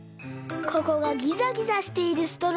ここがギザギザしているストローもありますよね。